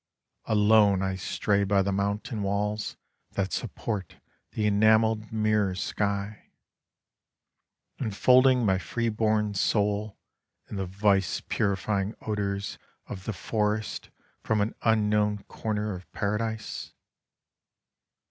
— Alone I stray by the mountain walls that support the enamelled mirror sky, Enfolding my free born soul in the vice purifying odours of the forest from an unknown comer of Paradise.